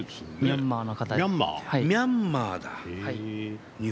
ミャンマーだ。